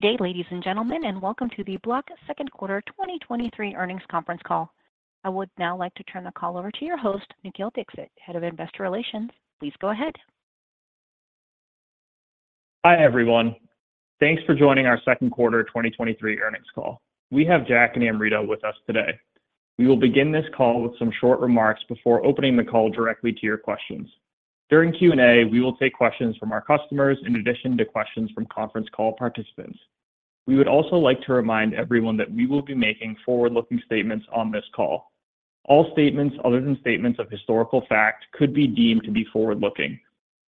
Good day, ladies and gentlemen, and welcome to the Block Q2 2023 Earnings Conference Call. I would now like to turn the call over to your host, Nikhil Dixit, Head of Investor Relations. Please go ahead. Hi, everyone. Thanks for joining our Q2 2023 earnings call. We have Jack and Amrita with us today. We will begin this call with some short remarks before opening the call directly to your questions. During Q&A, we will take questions from our customers in addition to questions from conference call participants. We would also like to remind everyone that we will be making forward-looking statements on this call. All statements other than statements of historical fact could be deemed to be forward-looking.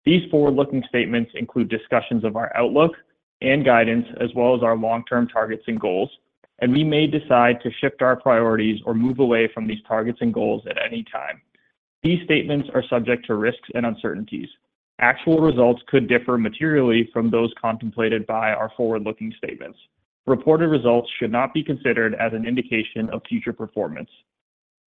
These forward-looking statements include discussions of our outlook and guidance, as well as our long-term targets and goals. We may decide to shift our priorities or move away from these targets and goals at any time. These statements are subject to risks and uncertainties. Actual results could differ materially from those contemplated by our forward-looking statements. Reported results should not be considered as an indication of future performance.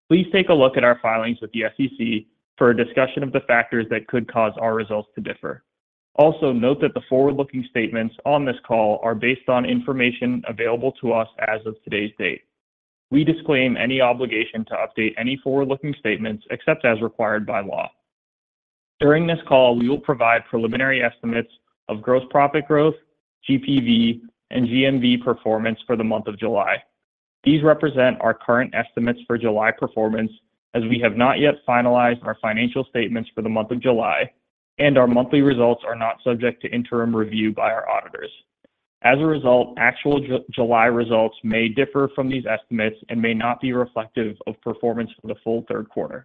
Please take a look at our filings with the SEC for a discussion of the factors that could cause our results to differ. Note that the forward-looking statements on this call are based on information available to us as of today's date. We disclaim any obligation to update any forward-looking statements except as required by law. During this call, we will provide preliminary estimates of gross profit growth, GPV, and GMV performance for the month of July. These represent our current estimates for July performance, as we have not yet finalized our financial statements for the month of July, and our monthly results are not subject to interim review by our auditors. Actual July results may differ from these estimates and may not be reflective of performance for the full Q3.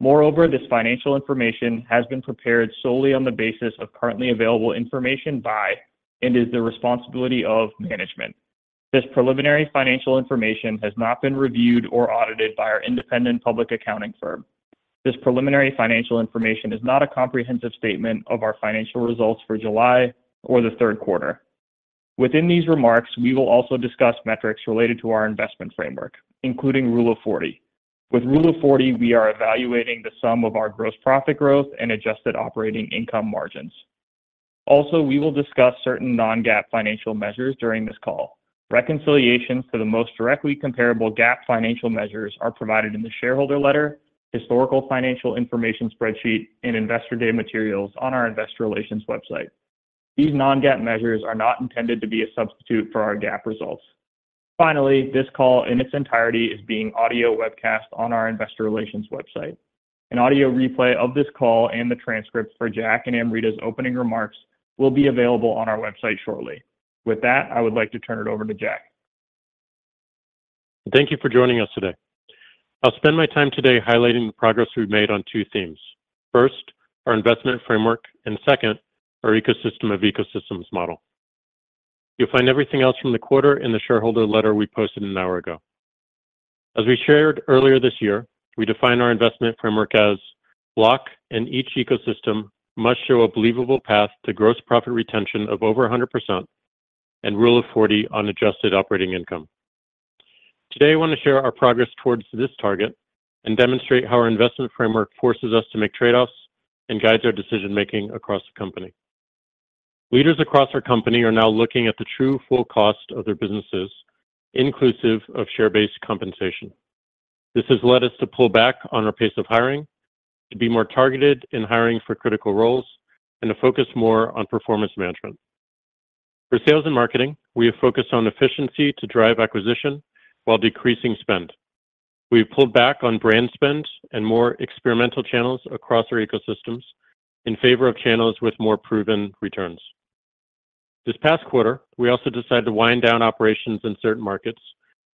Moreover, this financial information has been prepared solely on the basis of currently available information by, and is the responsibility of, management. This preliminary financial information has not been reviewed or audited by our independent public accounting firm. This preliminary financial information is not a comprehensive statement of our financial results for July or the Q3. Within these remarks, we will also discuss metrics related to our investment framework, including Rule of 40. With Rule of 40, we are evaluating the sum of our gross profit growth and Adjusted Operating Income margins. Also, we will discuss certain non-GAAP financial measures during this call. Reconciliations to the most directly comparable GAAP financial measures are provided in the shareholder letter, historical financial information spreadsheet, and Investor Day materials on our investor relations website. These non-GAAP measures are not intended to be a substitute for our GAAP results. This call in its entirety is being audio webcast on our investor relations website. An audio replay of this call and the transcripts for Jack and Amrita's opening remarks will be available on our website shortly. With that, I would like to turn it over to Jack. Thank you for joining us today. I'll spend my time today highlighting the progress we've made on two themes. First, our investment framework, and second, our ecosystem of ecosystems model. You'll find everything else from the quarter in the shareholder letter we posted an hour ago. As we shared earlier this year, we define our investment framework as Block, and each ecosystem must show a believable path to gross profit retention of over 100% and Rule of Forty on adjusted operating income. Today, I want to share our progress towards this target and demonstrate how our investment framework forces us to make trade-offs and guides our decision-making across the company. Leaders across our company are now looking at the true full cost of their businesses, inclusive of share-based compensation. This has led us to pull back on our pace of hiring, to be more targeted in hiring for critical roles, and to focus more on performance management. For sales and marketing, we have focused on efficiency to drive acquisition while decreasing spend. We've pulled back on brand spend and more experimental channels across our ecosystems in favor of channels with more proven returns. This past quarter, we also decided to wind down operations in certain markets,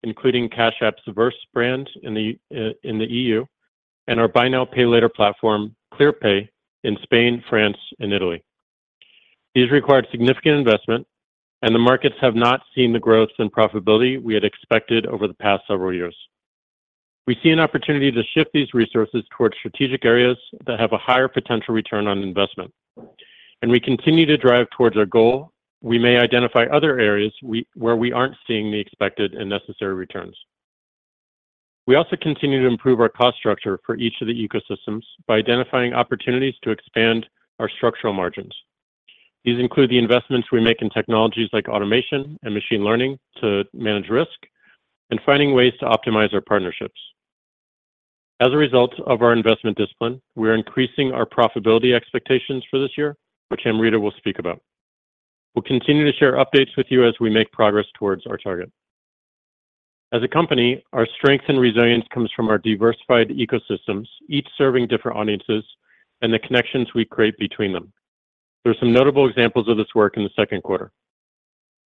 including Cash App's Verse brand in the, in the EU, and our buy now, pay later platform, Clearpay, in Spain, France, and Italy. These required significant investment, and the markets have not seen the growth and profitability we had expected over the past several years. We see an opportunity to shift these resources towards strategic areas that have a higher potential return on investment, and we continue to drive towards our goal. We may identify other areas where we aren't seeing the expected and necessary returns. We also continue to improve our cost structure for each of the ecosystems by identifying opportunities to expand our structural margins. These include the investments we make in technologies like automation and machine learning to manage risk, and finding ways to optimize our partnerships. As a result of our investment discipline, we are increasing our profitability expectations for this year, which Amrita will speak about. We'll continue to share updates with you as we make progress towards our target. As a company, our strength and resilience comes from our diversified ecosystems, each serving different audiences, and the connections we create between them. There are some notable examples of this work in the Q2.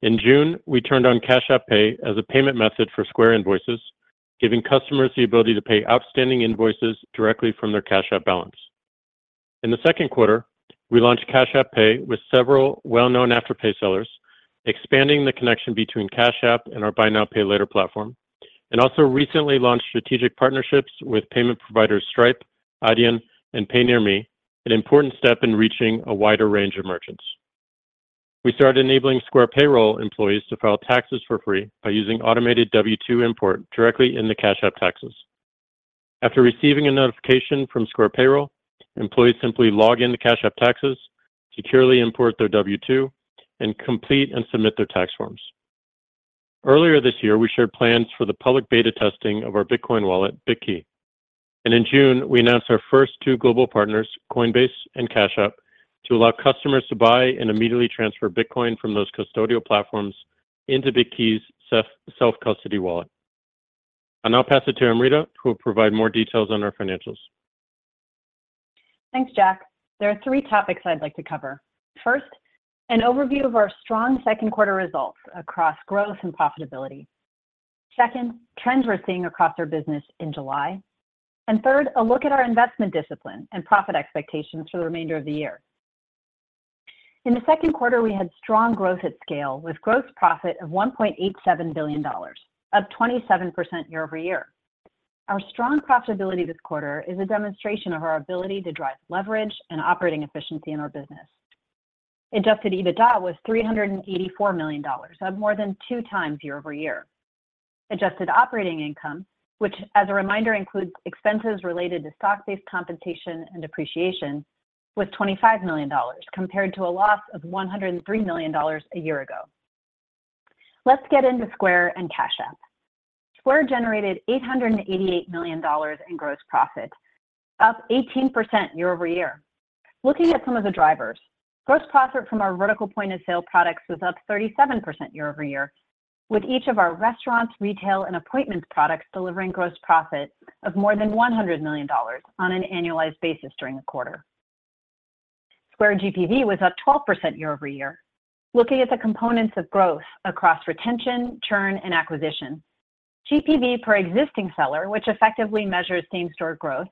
In June, we turned on Cash App Pay as a payment method for Square Invoices, giving customers the ability to pay outstanding invoices directly from their Cash App balance. In the Q2, we launched Cash App Pay with several well-known Afterpay sellers, expanding the connection between Cash App and our buy now, pay later platform, and also recently launched strategic partnerships with payment providers Stripe, Adyen, and PayNearMe, an important step in reaching a wider range of merchants. We started enabling Square Payroll employees to file taxes for free by using automated W-2 import directly in the Cash App Taxes. After receiving a notification from Square Payroll, employees simply log into Cash App Taxes, securely import their W-2, and complete and submit their tax forms. Earlier this year, we shared plans for the public beta testing of our Bitcoin wallet, Bitkey. In June, we announced our first 2 global partners, Coinbase and Cash App, to allow customers to buy and immediately transfer Bitcoin from those custodial platforms into Bitkey's self-custody wallet. I'll now pass it to Amrita, who will provide more details on our financials. Thanks, Jack. There are 3 topics I'd like to cover. First, an overview of our strong Q2 results across growth and profitability. Second, trends we're seeing across our business in July. Third, a look at our investment discipline and profit expectations for the remainder of the year. In the Q2, we had strong growth at scale, with gross profit of $1.87 billion, up 27% year-over-year. Our strong profitability this quarter is a demonstration of our ability to drive leverage and operating efficiency in our business. Adjusted EBITDA was $384 million, up more than 2 times year-over-year. Adjusted Operating Income, which, as a reminder, includes expenses related to stock-based compensation and depreciation, was $25 million, compared to a loss of $103 million a year ago. Let's get into Square and Cash App. Square generated $888 million in gross profit, up 18% year-over-year. Looking at some of the drivers, gross profit from our vertical point-of-sale products was up 37% year-over-year, with each of our restaurants, retail, and appointments products delivering gross profit of more than $100 million on an annualized basis during the quarter. Square GPV was up 12% year-over-year. Looking at the components of growth across retention, churn, and acquisition, GPV per existing seller, which effectively measures same-store growth,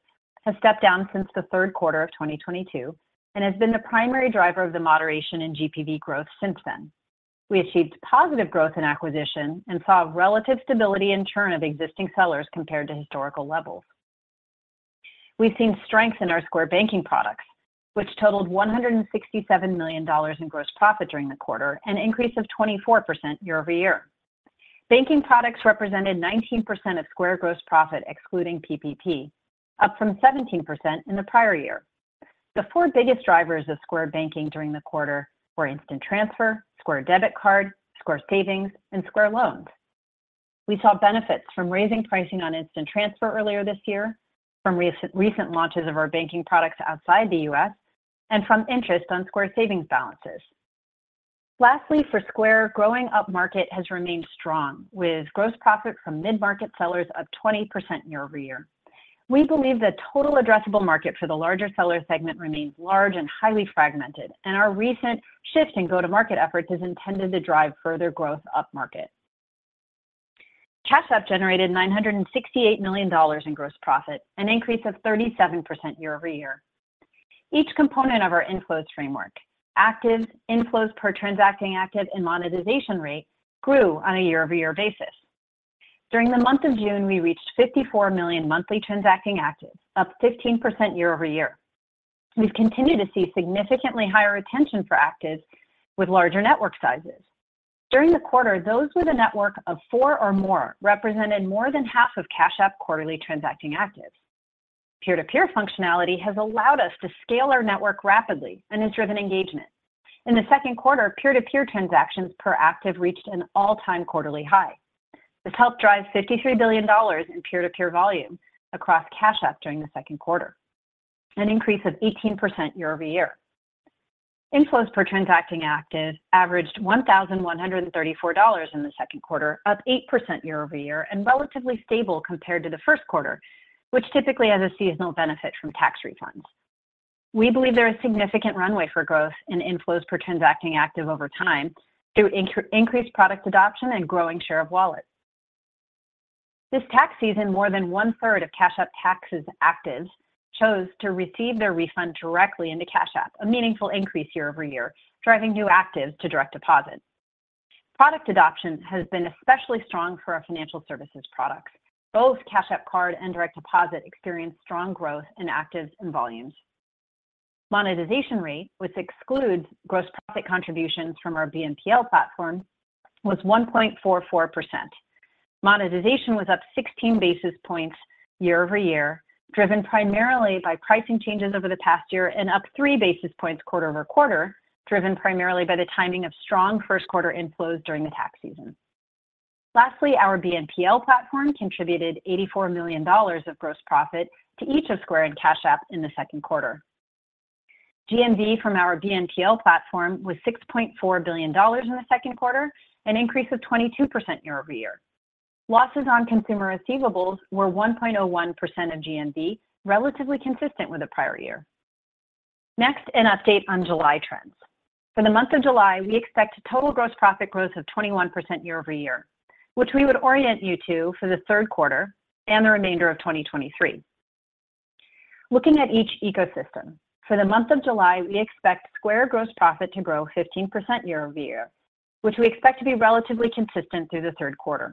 has stepped down since the Q3 of 2022 and has been the primary driver of the moderation in GPV growth since then. We achieved positive growth in acquisition and saw relative stability in churn of existing sellers compared to historical levels. We've seen strength in our Square Banking products, which totaled $167 million in gross profit during the quarter, an increase of 24% year-over-year. Banking products represented 19% of Square gross profit, excluding PPP, up from 17% in the prior year. The four biggest drivers of Square Banking during the quarter were Instant Transfer, Square Debit Card, Square Savings, and Square Loans. We saw benefits from raising pricing on Instant Transfer earlier this year, from recent launches of our banking products outside the US, and from interest on Square Savings balances. Lastly, for Square, growing up market has remained strong, with gross profit from mid-market sellers up 20% year-over-year. We believe the total addressable market for the larger seller segment remains large and highly fragmented, our recent shift in go-to-market efforts is intended to drive further growth upmarket. Cash App generated $968 million in gross profit, an increase of 37% year-over-year. Each component of our inflows framework, actives, inflows per transacting active, and monetization rate, grew on a year-over-year basis. During the month of June, we reached 54 million monthly transacting actives, up 15% year-over-year. We've continued to see significantly higher retention for actives with larger network sizes. During the quarter, those with a network of four or more represented more than half of Cash App quarterly transacting actives. Peer-to-peer functionality has allowed us to scale our network rapidly and has driven engagement. In the Q2, peer-to-peer transactions per active reached an all-time quarterly high. This helped drive $53 billion in peer-to-peer volume across Cash App during the Q2, an increase of 18% year-over-year. Inflows per transacting active averaged $1,134 in the Q2, up 8% year-over-year and relatively stable compared to the Q1, which typically has a seasonal benefit from tax refunds. We believe there is significant runway for growth in inflows per transacting active over time through increased product adoption and growing share of wallets. This tax season, more than one-third of Cash App Taxes actives chose to receive their refund directly into Cash App, a meaningful increase year-over-year, driving new actives to Direct Deposit. Product adoption has been especially strong for our financial services products. Both Cash App Card and Direct Deposit experienced strong growth in actives and volumes. Monetization rate, which excludes gross profit contributions from our BNPL platform, was 1.44%. Monetization was up 16 basis points year-over-year, driven primarily by pricing changes over the past year and up 3 basis points quarter-over-quarter, driven primarily by the timing of strong Q1 inflows during the tax season. Lastly, our BNPL platform contributed $84 million of gross profit to each of Square and Cash App in the Q2. GMV from our BNPL platform was $6.4 billion in the Q2, an increase of 22% year-over-year. Losses on consumer receivables were 1.01% of GMV, relatively consistent with the prior year. An update on July trends. For the month of July, we expect total gross profit growth of 21% year-over-year, which we would orient you to for the Q3 and the remainder of 2023. Looking at each ecosystem, for the month of July, we expect Square gross profit to grow 15% year-over-year, which we expect to be relatively consistent through the Q3.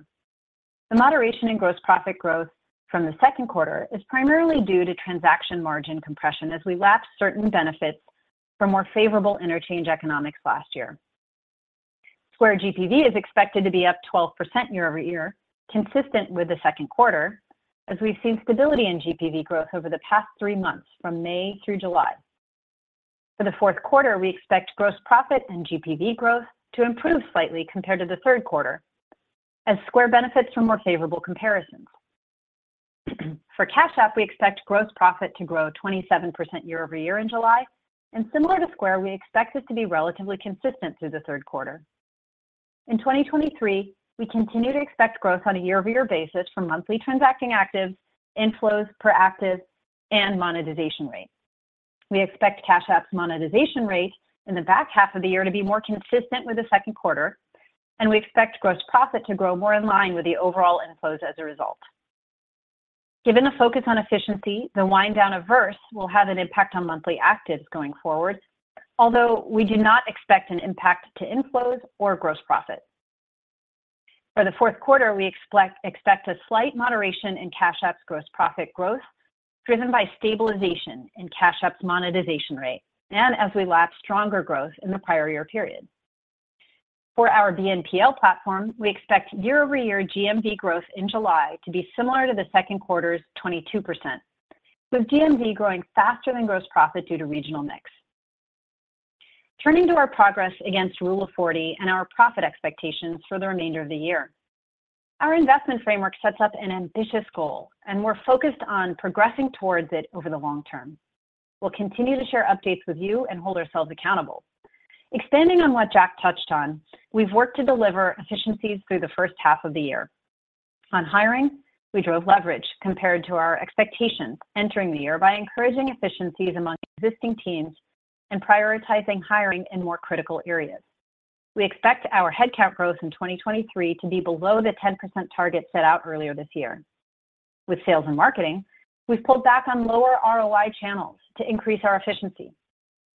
The moderation in gross profit growth from the Q2 is primarily due to transaction margin compression as we lapse certain benefits from more favorable interchange economics last year. Square GPV is expected to be up 12% year-over-year, consistent with the Q2, as we've seen stability in GPV growth over the past three months from May through July. For the Q4, we expect gross profit and GPV growth to improve slightly compared to the Q3, as Square benefits from more favorable comparisons. For Cash App, we expect gross profit to grow 27% year-over-year in July, and similar to Square, we expect this to be relatively consistent through the Q3. In 2023, we continue to expect growth on a year-over-year basis from monthly transacting actives, inflows per active, and monetization rate. We expect Cash App's monetization rate in the back half of the year to be more consistent with the Q2, and we expect gross profit to grow more in line with the overall inflows as a result. Given the focus on efficiency, the wind down of Verse will have an impact on monthly actives going forward, although we do not expect an impact to inflows or gross profit. For the Q4, we expect, expect a slight moderation in Cash App's gross profit growth, driven by stabilization in Cash App's monetization rate and as we lap stronger growth in the prior year period. For our BNPL platform, we expect year-over-year GMV growth in July to be similar to the Q2's 22%, with GMV growing faster than gross profit due to regional mix. Turning to our progress against Rule of 40 and our profit expectations for the remainder of the year. Our investment framework sets up an ambitious goal, and we're focused on progressing towards it over the long term. We'll continue to share updates with you and hold ourselves accountable. Expanding on what Jack touched on, we've worked to deliver efficiencies through the first half of the year. On hiring, we drove leverage compared to our expectations entering the year by encouraging efficiencies among existing teams and prioritizing hiring in more critical areas. We expect our headcount growth in 2023 to be below the 10% target set out earlier this year. With sales and marketing, we've pulled back on lower ROI channels to increase our efficiency.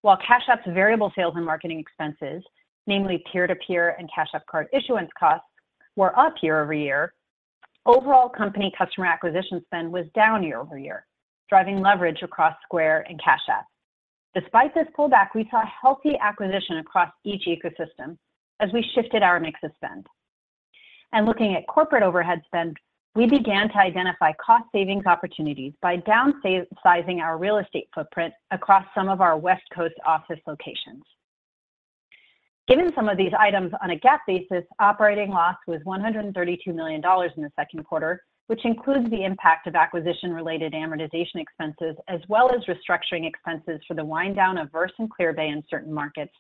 While Cash App's variable sales and marketing expenses, namely peer-to-peer and Cash App Card issuance costs, were up year-over-year, overall company customer acquisition spend was down year-over-year, driving leverage across Square and Cash App. Despite this pullback, we saw healthy acquisition across each ecosystem as we shifted our mix of spend. Looking at corporate overhead spend, we began to identify cost savings opportunities by downsizing our real estate footprint across some of our West Coast office locations. Given some of these items on a GAAP basis, operating loss was $132 million in the Q2, which includes the impact of acquisition-related amortization expenses, as well as restructuring expenses for the wind down of Verse and Clearpay in certain markets,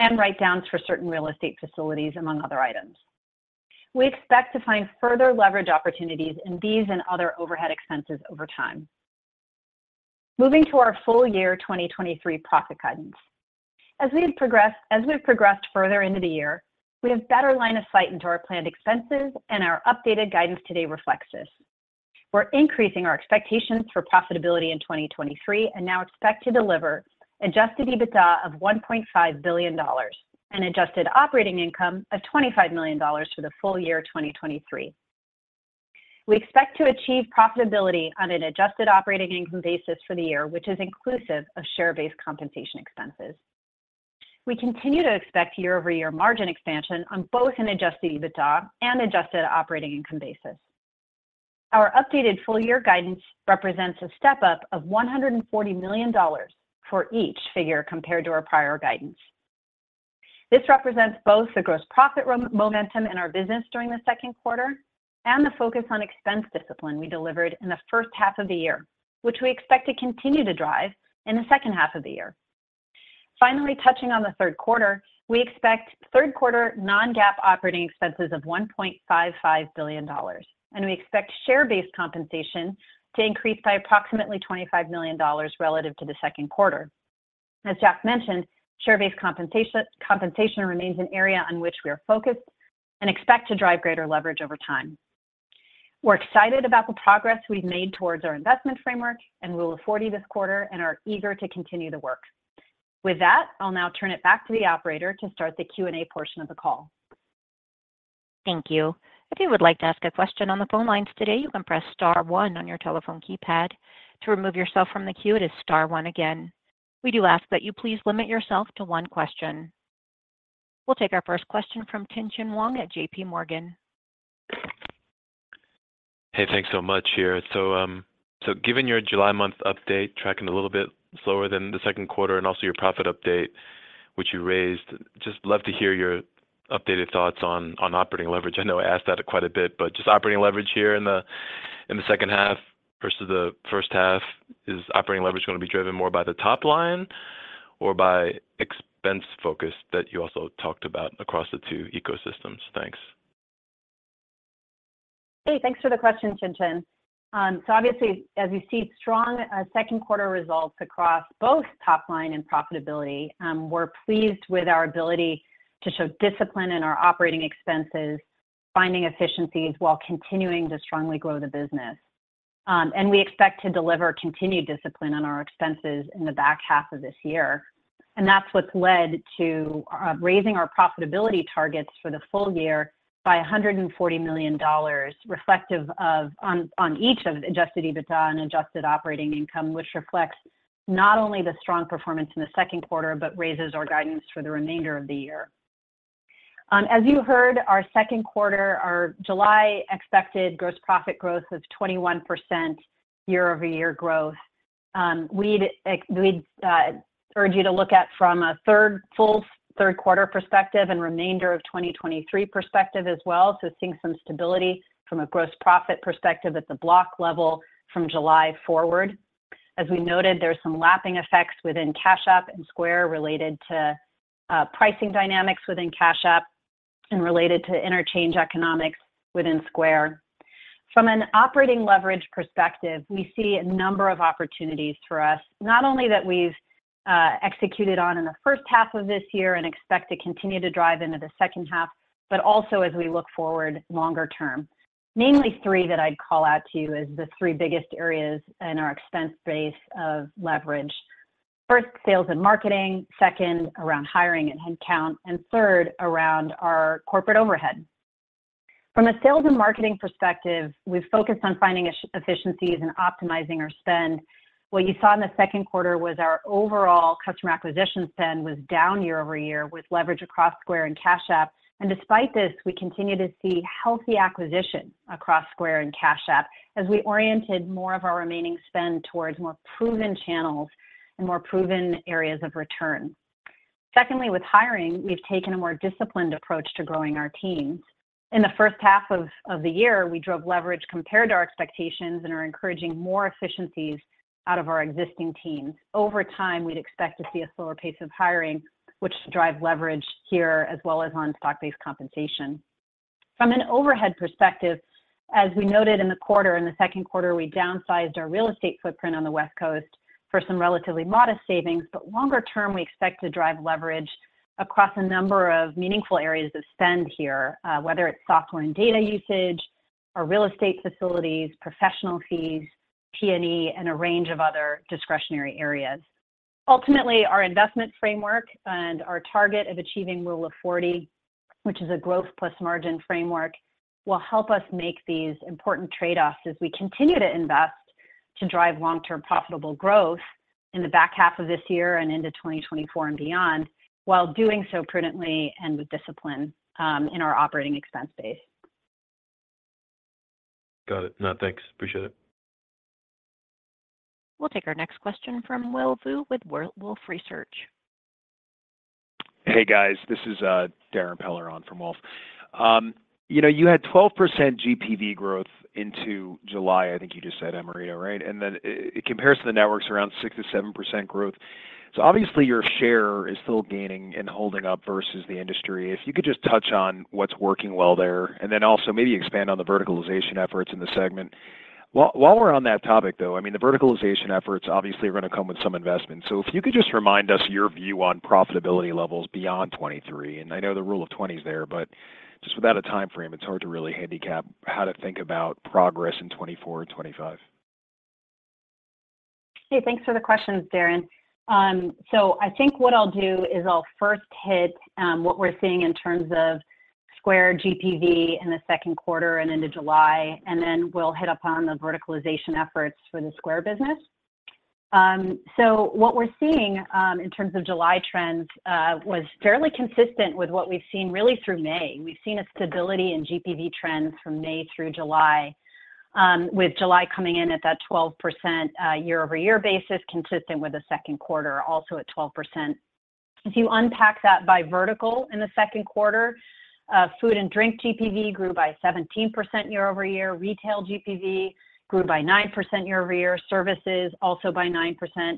and write-downs for certain real estate facilities, among other items. We expect to find further leverage opportunities in these and other overhead expenses over time. Moving to our full year 2023 profit guidance. As we've progressed further into the year, we have better line of sight into our planned expenses, and our updated guidance today reflects this. We're increasing our expectations for profitability in 2023 and now expect to deliver Adjusted EBITDA of $1.5 billion and Adjusted Operating Income of $25 million for the full year 2023. We expect to achieve profitability on an Adjusted Operating Income basis for the year, which is inclusive of share-based compensation expenses. We continue to expect year-over-year margin expansion on both an Adjusted EBITDA and Adjusted Operating Income basis. Our updated full year guidance represents a step-up of $140 million for each figure compared to our prior guidance. This represents both the gross profit momentum in our business during the Q2 and the focus on expense discipline we delivered in the first half of the year, which we expect to continue to drive in the second half of the year. Finally, touching on the Q3, we expect Q3 non-GAAP operating expenses of $1.55 billion, and we expect share-based compensation to increase by approximately $25 million relative to the Q2. As Jack mentioned, share-based compensation remains an area on which we are focused and expect to drive greater leverage over time. We're excited about the progress we've made towards our investment framework and Rule of 40 this quarter and are eager to continue the work. With that, I'll now turn it back to the operator to start the Q&A portion of the call. Thank you. If you would like to ask a question on the phone lines today, you can press star one on your telephone keypad. To remove yourself from the queue, it is star one again. We do ask that you please limit yourself to one question. We'll take our first question from Tien-tsin Huang at J.P. Morgan. Hey, thanks so much here. Given your July month update, tracking a little bit slower than the Q2, and also your profit update, which you raised, just love to hear your updated thoughts on operating leverage. I know I asked that quite a bit, but just operating leverage here in the second half versus the first half, is operating leverage going to be driven more by the top line or by expense focus that you also talked about across the two ecosystems? Thanks. Hey, thanks for the question, Chin Chin. Obviously, as you see, strong Q2 results across both top line and profitability, we're pleased with our ability to show discipline in our operating expenses, finding efficiencies while continuing to strongly grow the business. We expect to deliver continued discipline on our expenses in the back half of this year, and that's what's led to raising our profitability targets for the full year by $140 million, reflective of on, on each of Adjusted EBITDA and Adjusted Operating Income, which reflects. Not only the strong performance in the Q2, but raises our guidance for the remainder of the year. As you heard, our Q2, our July expected gross profit growth of 21% year-over-year growth. we'd, like, we'd urge you to look at from a 3rd, full 3rd quarter perspective and remainder of 2023 perspective as well, so seeing some stability from a gross profit perspective at the Block level from July forward. As we noted, there are some lapping effects within Cash App and Square related to pricing dynamics within Cash App and related to interchange economics within Square. From an operating leverage perspective, we see a number of opportunities for us. Not only that we've executed on in the first half of this year and expect to continue to drive into the second half, but also as we look forward longer term. Namely, 3 that I'd call out to you as the 3 biggest areas in our expense base of leverage. 1st, sales and marketing, 2nd, around hiring and head count, and 3rd, around our corporate overhead. From a sales and marketing perspective, we've focused on finding efficiencies and optimizing our spend. What you saw in the Q2 was our overall customer acquisition spend was down year-over-year, with leverage across Square and Cash App. Despite this, we continue to see healthy acquisition across Square and Cash App as we oriented more of our remaining spend towards more proven channels and more proven areas of return. Secondly, with hiring, we've taken a more disciplined approach to growing our teams. In the first half of the year, we drove leverage compared to our expectations and are encouraging more efficiencies out of our existing teams. Over time, we'd expect to see a slower pace of hiring, which drive leverage here as well as on stock-based compensation. From an overhead perspective, as we noted in the quarter, in the Q2, we downsized our real estate footprint on the West Coast for some relatively modest savings, but longer term, we expect to drive leverage across a number of meaningful areas of spend here, whether it's software and data usage, our real estate facilities, professional fees, P&E, and a range of other discretionary areas. Ultimately, our investment framework and our target of achieving rule of 40, which is a growth plus margin framework, will help us make these important trade-offs as we continue to invest to drive long-term profitable growth in the back half of this year and into 2024 and beyond, while doing so prudently and with discipline in our operating expense base. Got it. No, thanks. Appreciate it. We'll take our next question from Will Vu with Wolfe Research. Hey, guys, this is Darren Peller in from Wolfe Research. You know, you had 12% GPV growth into July, I think you just said, Amrita, right? It compares to the networks around 6%-7% growth. Obviously, your share is still gaining and holding up versus the industry. If you could just touch on what's working well there, and then also maybe expand on the verticalization efforts in the segment. While we're on that topic, though, I mean, the verticalization efforts obviously are going to come with some investment. If you could just remind us your view on profitability levels beyond 2023. I know the rule of twenty is there, but just without a time frame, it's hard to really handicap how to think about progress in 2024 and 2025. Hey, thanks for the questions, Darren. I think what I'll do is I'll first hit what we're seeing in terms of Square GPV in the Q2 and into July, and then we'll hit upon the verticalization efforts for the Square business. What we're seeing in terms of July trends was fairly consistent with what we've seen really through May. We've seen a stability in GPV trends from May through July, with July coming in at that 12% year-over-year basis, consistent with the Q2, also at 12%. If you unpack that by vertical in the Q2, food and drink GPV grew by 17% year-over-year, retail GPV grew by 9% year-over-year, services also by 9%.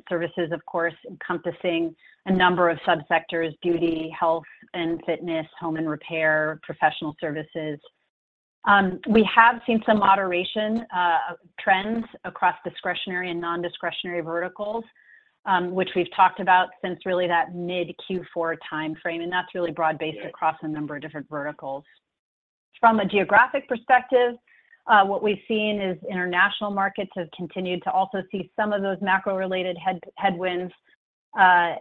Services, of course, encompassing a number of subsectors: beauty, health and fitness, home and repair, professional services. We have seen some moderation trends across discretionary and non-discretionary verticals, which we've talked about since really that mid Q4 time frame, and that's really broad-based across a number of different verticals. From a geographic perspective, what we've seen is international markets have continued to also see some of those macro-related head- headwinds,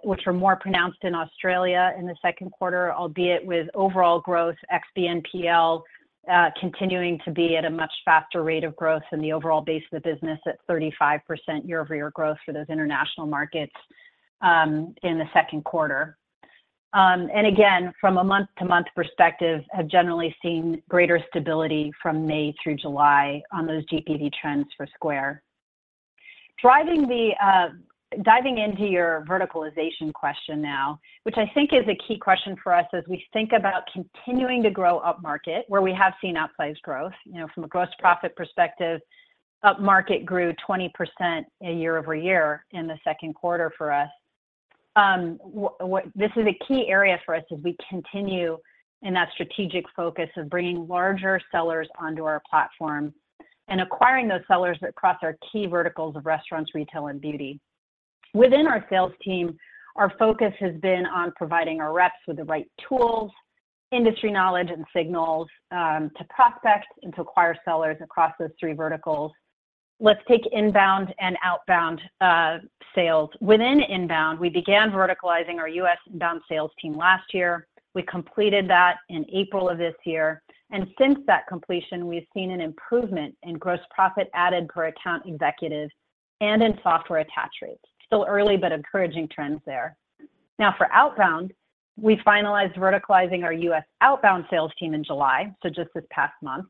which were more pronounced in Australia in the Q2, albeit with overall growth, ex-BNPL, continuing to be at a much faster rate of growth in the overall base of the business at 35% year-over-year growth for those international markets in the Q2. And again, from a month-to-month perspective, have generally seen greater stability from May through July on those GPV trends for Square. Driving the diving into your verticalization question now, which I think is a key question for us as we think about continuing to grow upmarket, where we have seen outsized growth from a gross profit perspective, upmarket grew 20% year-over-year in the Q2 for us. This is a key area for us as we continue in that strategic focus of bringing larger sellers onto our platform and acquiring those sellers across our key verticals of restaurants, retail, and beauty. Within our sales team, our focus has been on providing our reps with the right tools, industry knowledge, and signals to prospect and to acquire sellers across those three verticals. Let's take inbound and outbound sales. Within inbound, we began verticalizing our US inbound sales team last year. We completed that in April of this year, and since that completion, we've seen an improvement in gross profit added per account executive and in software attach rates. Still early, but encouraging trends there. Now, for outbound. We finalized verticalizing our US outbound sales team in July, so just this past month.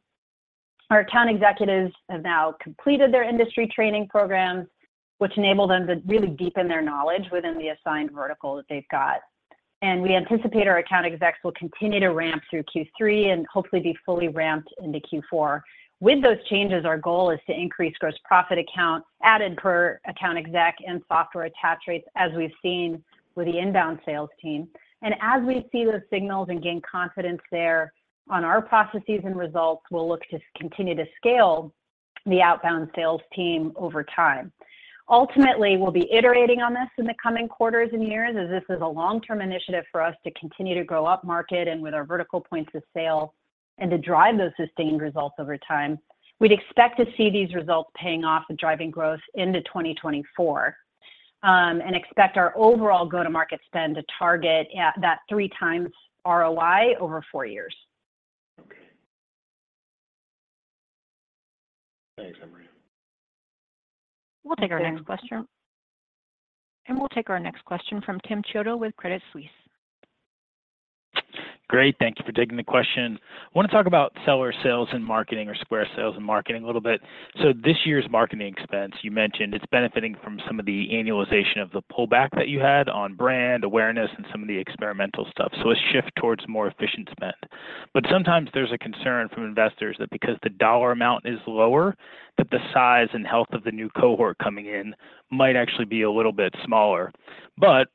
Our account executives have now completed their industry training programs, which enable them to really deepen their knowledge within the assigned vertical that they've got. We anticipate our account execs will continue to ramp through Q3 and hopefully be fully ramped into Q4. With those changes, our goal is to increase gross profit account added per account exec and software attach rates, as we've seen with the inbound sales team. As we see those signals and gain confidence there on our processes and results, we'll look to continue to scale the outbound sales team over time. Ultimately, we'll be iterating on this in the coming quarters and years, as this is a long-term initiative for us to continue to grow upmarket and with our vertical points of sale, and to drive those sustained results over time. We'd expect to see these results paying off and driving growth into 2024, and expect our overall go-to-market spend to target at that 3 times ROI over 4 years. Okay. Thanks, Amrita. We'll take our next question. We'll take our next question from Tim Chiodo with Credit Suisse. Great. Thank you for taking the question. I want to talk about Seller sales and marketing or Square sales and marketing a little bit. This year's marketing expense, you mentioned, it's benefiting from some of the annualization of the pullback that you had on brand awareness and some of the experimental stuff, a shift towards more efficient spend. Sometimes there's a concern from investors that because the dollar amount is lower, that the size and health of the new cohort coming in might actually be a little bit smaller.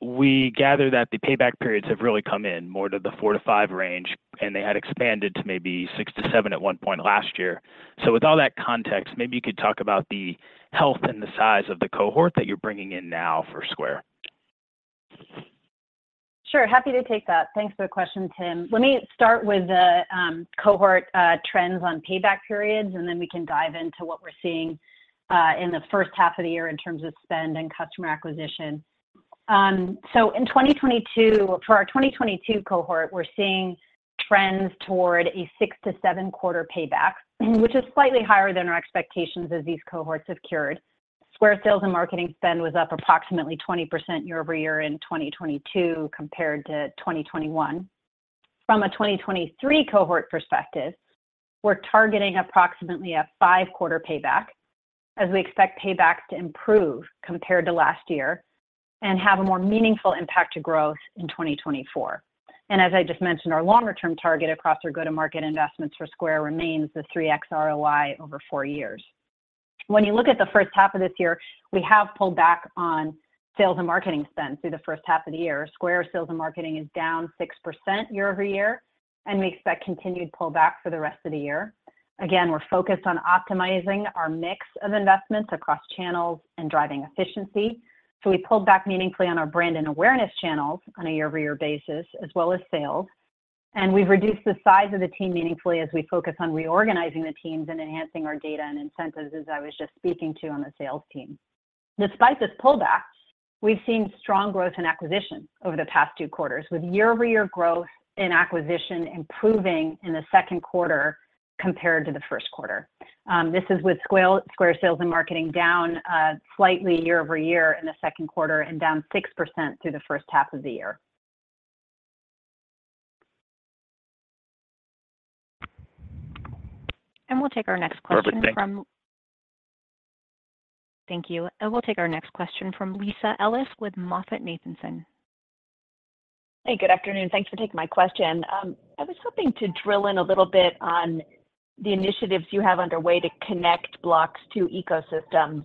We gather that the payback periods have really come in more to the 4-5 range, and they had expanded to maybe 6-7 at one point last year. With all that context, maybe you could talk about the health and the size of the cohort that you're bringing in now for Square. Sure, happy to take that. Thanks for the question, Tim. Let me start with the cohort trends on payback periods, and then we can dive into what we're seeing in the first half of the year in terms of spend and customer acquisition. So in 2022 for our 2022 cohort, we're seeing trends toward a 6-7-quarter payback, which is slightly higher than our expectations as these cohorts have cured. Square sales and marketing spend was up approximately 20% year-over-year in 2022, compared to 2021. From a 2023 cohort perspective, we're targeting approximately a 5-quarter payback, as we expect paybacks to improve compared to last year and have a more meaningful impact to growth in 2024. As I just mentioned, our longer-term target across our go-to-market investments for Square remains the 3x ROI over 4 years. When you look at the 1st half of this year, we have pulled back on sales and marketing spend through the 1st half of the year. Square sales and marketing is down 6% year-over-year, and we expect continued pullback for the rest of the year. Again, we're focused on optimizing our mix of investments across channels and driving efficiency, so we pulled back meaningfully on our brand and awareness channels on a year-over-year basis, as well as sales. We've reduced the size of the team meaningfully as we focus on reorganizing the teams and enhancing our data and incentives, as I was just speaking to on the sales team. Despite this pullback, we've seen strong growth in acquisition over the past 2 quarters, with year-over-year growth in acquisition improving in the 2nd quarter compared to the Q1. This is with Square, Square sales and marketing down, slightly year-over-year in the 2nd quarter and down 6% through the 1st half of the year. We'll take our next question from Perfect. Thank you. Thank you. We'll take our next question from Lisa Ellis with MoffettNathanson. Hey, good afternoon. Thanks for taking my question. I was hoping to drill in a little bit on the initiatives you have underway to connect Block's ecosystems.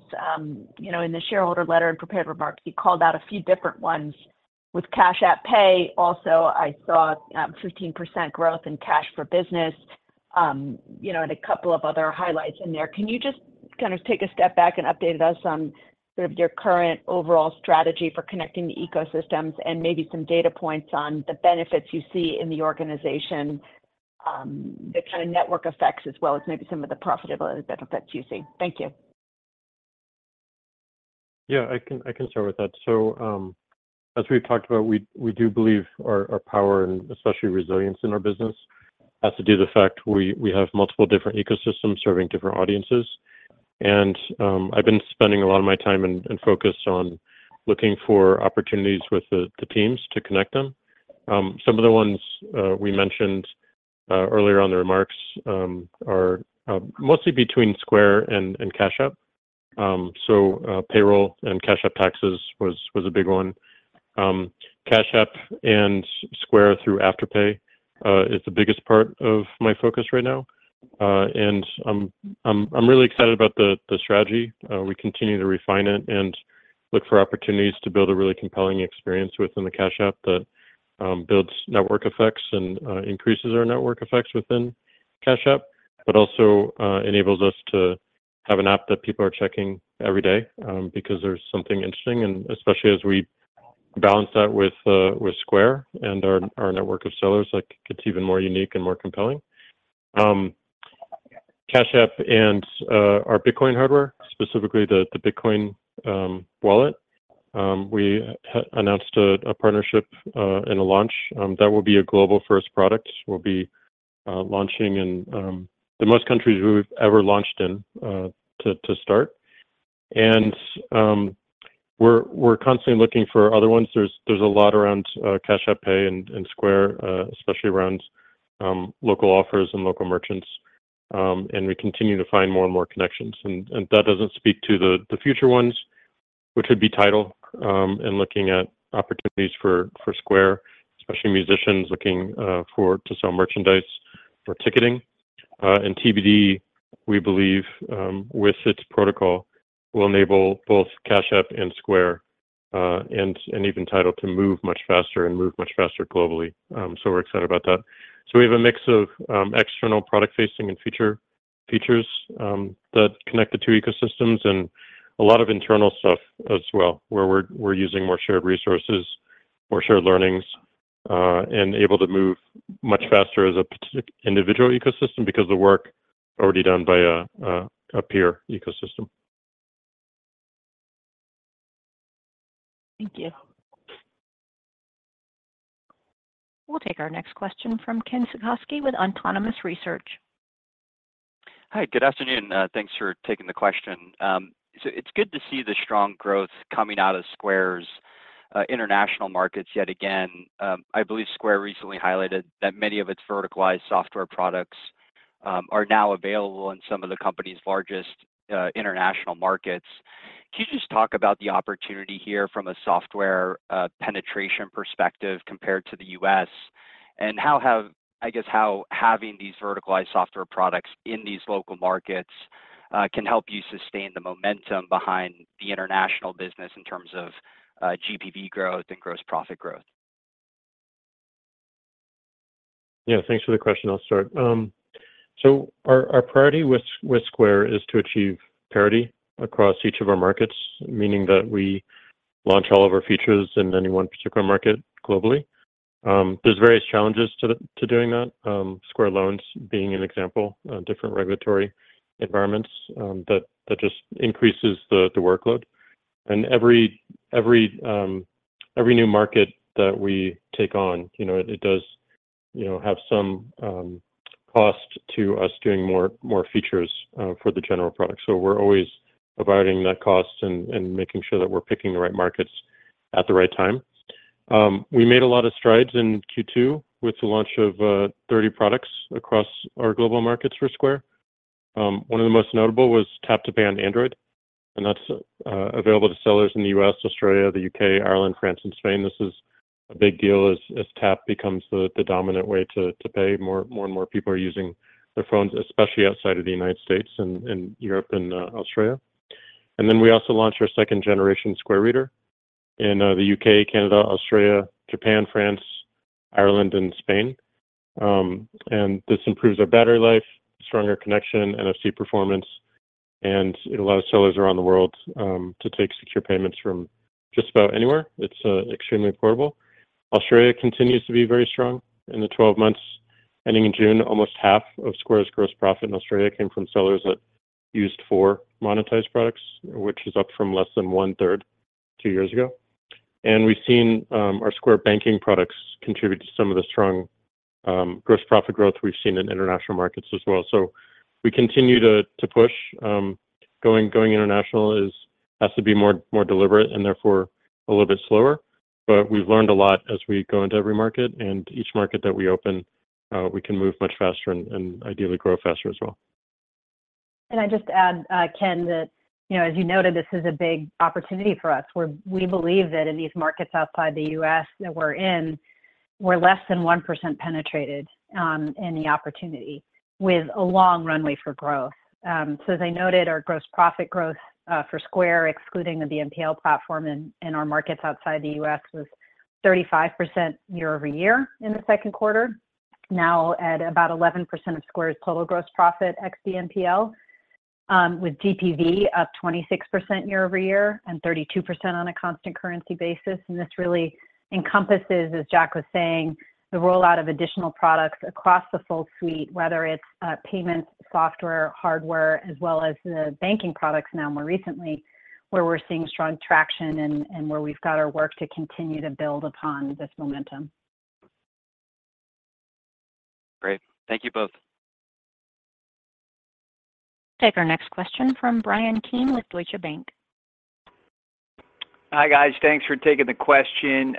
You know, in the shareholder letter and prepared remarks, you called out a few different ones with Cash App Pay. Also, I saw 15% growth in Cash for Business, you know, and a couple of other highlights in there. Can you just kind of take a step back and update us on sort of your current overall strategy for connecting the ecosystems and maybe some data points on the benefits you see in the organization, the kind of network effects, as well as maybe some of the profitability benefits you see? Thank you. I can start with that. As we've talked about, we, we do believe our, our power and especially resilience in our business, has to do with the fact we, we have multiple different ecosystems serving different audiences. I've been spending a lot of my time and focus on looking for opportunities with the teams to connect them. Some of the ones we mentioned earlier on the remarks are mostly between Square and Cash App. Payroll and Cash App Taxes was, was a big one. Cash App and Square, through Afterpay, is the biggest part of my focus right now. I'm, I'm, I'm really excited about the strategy. We continue to refine it and look for opportunities to build a really compelling experience within the Cash App that builds network effects and increases our network effects within Cash App, but also enables us to have an app that people are checking every day because there's something interesting, and especially as we balance that with Square and our network of sellers, like, it's even more unique and more compelling. Cash App and our Bitcoin hardware, specifically the Bitcoin wallet, we announced a partnership and a launch. That will be a global first product. We'll be launching in the most countries we've ever launched in to start. We're constantly looking for other ones. There's, there's a lot around Cash App Pay and, and Square, especially around local offers and local merchants. We continue to find more and more connections, and, and that doesn't speak to the, the future ones, which would be TIDAL, and looking at opportunities for, for Square, especially musicians looking to sell merchandise for ticketing. TBD, we believe, with its protocol, will enable both Cash App and Square, and, and even TIDAL to move much faster and move much faster globally. We're excited about that. We have a mix of external product facing and feature, features, that connect the two ecosystems and a lot of internal stuff as well, where we're, we're using more shared resources or shared learnings, and able to move much faster as a specific individual ecosystem because the work already done by a, a, a peer ecosystem. Thank you. We'll take our next question from Kenshichi Tsuchihash with Autonomous Research. Hi, good afternoon. Thanks for taking the question. It's good to see the strong growth coming out of Square's international markets yet again. I believe Square recently highlighted that many of its verticalized software products are now available in some of the company's largest international markets. Can you just talk about the opportunity here from a software penetration perspective compared to the US? I guess, how having these verticalized software products in these local markets can help you sustain the momentum behind the international business in terms of GPV growth and gross profit growth? Yeah, thanks for the question. I'll start. So our, our priority with, with Square is to achieve parity across each of our markets, meaning that we launch all of our features in any one particular market globally. There's various challenges to the, to doing that, Square Loans being an example, different regulatory environments, that, that just increases the, the workload. Every, every, every new market that we take on, you know, it does, you know, have some cost to us doing more, more features for the general product. We're always providing that cost and, and making sure that we're picking the right markets at the right time. We made a lot of strides in Q2 with the launch of 30 products across our global markets for Square. One of the most notable was Tap to Pay on Android, and that's available to sellers in the U.S., Australia, the U.K., Ireland, France, and Spain. This is a big deal as, as tap becomes the, the dominant way to, to pay. More, more and more people are using their phones, especially outside of the United States and, and Europe and Australia. We also launched our second generation Square Reader in the U.K., Canada, Australia, Japan, France, Ireland, and Spain. This improves our battery life, stronger connection, NFC performance, and it allows sellers around the world to take secure payments from just about anywhere. It's extremely portable. Australia continues to be very strong. In the 12 months ending in June, almost half of Square's gross profit in Australia came from sellers that used four monetized products, which is up from less than one-third two years ago. We've seen our Square Banking products contribute to some of the strong gross profit growth we've seen in international markets as well. We continue to push. Going international has to be more, more deliberate and therefore a little bit slower, but we've learned a lot as we go into every market and each market that we open, we can move much faster and ideally grow faster as well. Can I just add, Ken, that, you know, as you noted, this is a big opportunity for us, where we believe that in these markets outside the US that we're in, we're less than 1% penetrated in the opportunity, with a long runway for growth. So as I noted, our gross profit growth for Square, excluding the BNPL platform in, in our markets outside the US, was 35% year-over-year in the Q2, now at about 11% of Square's total gross profit ex-BNPL, with GPV up 26% year-over-year and 32% on a constant currency basis. This really encompasses, as Jack was saying, the rollout of additional products across the full suite, whether it's payments, software, hardware, as well as the banking products now more recently, where we're seeing strong traction and, and where we've got our work to continue to build upon this momentum. Great. Thank you both. Take our next question from Bryan Keane with Deutsche Bank. Hi, guys. Thanks for taking the question.